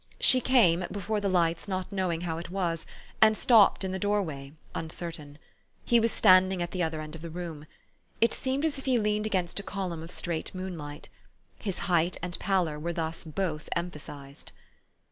She came, before the lights, not knowing how it was, and stopped in the doorway, uncertain. He was standing at the other end of the room. It seemed as if he leaned against a column of straight moonlight. His height and pallor were thus both emphasized.